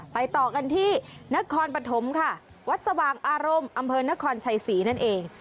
ต่อกันที่นครปฐมค่ะวัดสว่างอารมณ์อำเภอนครชัยศรีนั่นเอง